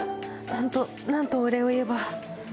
本当何とお礼を言えば。